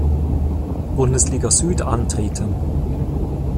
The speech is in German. Bundesliga Süd antreten.